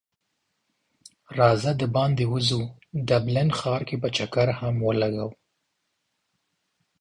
راځه د باندی وځو ډبلین ښار کی به چکر هم ولګو